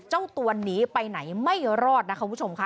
เจ้าตัวหนีไปไหนไม่รอดนะคะคุณผู้ชมค่ะ